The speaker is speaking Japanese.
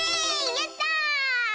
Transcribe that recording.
やった！